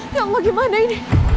ya allah gimana ini